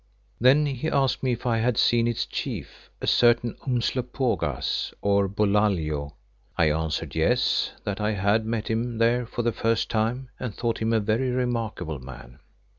Then he asked me if I had seen its Chief, a certain Umslopogaas or Bulalio. I answered, Yes, that I had met him there for the first time and thought him a very remarkable man.